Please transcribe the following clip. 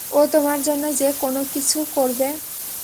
ও তোমার জন্য যে-কোনোকিছু করবে।